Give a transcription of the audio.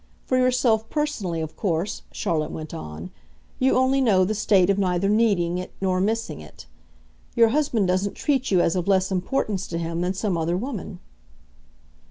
For yourself personally of course," Charlotte went on, "you only know the state of neither needing it nor missing it. Your husband doesn't treat you as of less importance to him than some other woman."